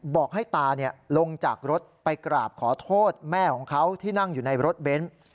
บอกให้ตาลงจากรถไปกราบขอโทษแม่ของเขาที่นั่งอยู่ในรถเบนท์